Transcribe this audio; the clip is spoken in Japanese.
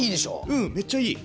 うんめっちゃいい！